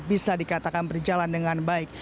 bisa dikatakan berjalan dengan baik